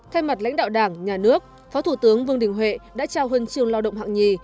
thay mặt lãnh đạo đảng nhà nước phó thủ tướng vương đình huệ đã trao huân trường lao động hạng nhì